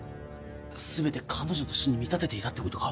全て彼女の死に見立てていたってことか。